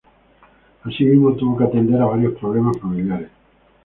Asi mismo tuvo que atender a varios problemas familiares.